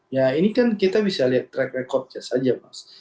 ya ini kan kita bisa lihat track recordnya saja mas